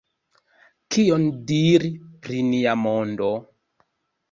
Kion diri pri nia mondo?